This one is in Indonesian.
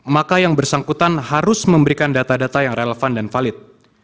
maka yang bersangkutan harus memberikan data data yang relevan dan valid